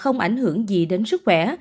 không ảnh hưởng gì đến sức khỏe